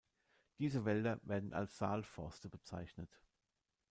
Diese Wälder werden als Saalforste bezeichnet.